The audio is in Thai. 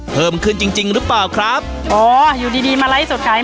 เพิ่มขึ้นจริงจริงหรือเปล่าครับอ๋ออยู่ดีดีมาไลฟ์สดขาย